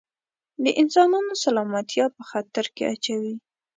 د انسانانو سلامتیا په خطر کې اچوي.